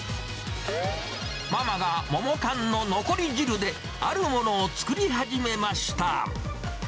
ママが桃缶の残り汁で、あるものを作り始めました。